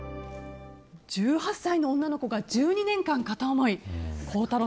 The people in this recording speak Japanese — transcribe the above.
１８歳の女の子が１２年間片思い。